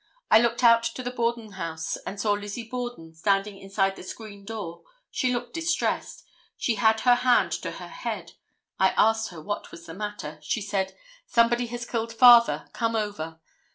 I looked out to the Borden house and saw Lizzie Borden standing inside the screen door. She looked distressed. She had her hand to her head. I asked her what was the matter. She said: 'Somebody has killed father, come over.